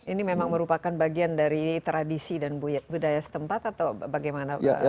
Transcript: ini memang merupakan bagian dari tradisi dan budaya setempat atau bagaimana